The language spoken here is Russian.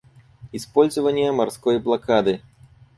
Использование морской блокады.